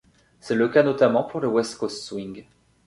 C'est le cas notamment pour le West Coast Swing.